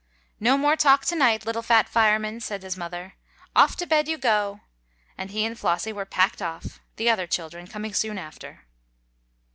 "No more talk to night, little fat fireman!" said his mother. "Off to bed you go!" and he and Flossie were "packed off," the other children coming soon after.